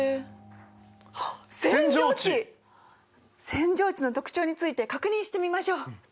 扇状地の特徴について確認してみましょう。